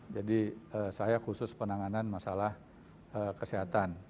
jadi saya khusus penanganan masalah kesehatan